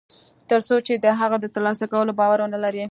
تر څو چې د هغه د تر لاسه کولو باور و نهلري